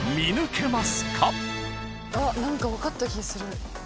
何か分かった気する。